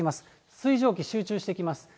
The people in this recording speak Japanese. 水蒸気、集中してきます。